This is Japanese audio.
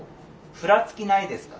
ふらつきないですか？